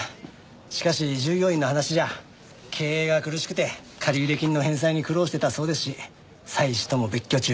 しかし従業員の話じゃ経営が苦しくて借入金の返済に苦労してたそうですし妻子とも別居中。